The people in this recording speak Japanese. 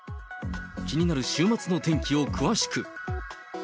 気になる週末の天気を詳しく。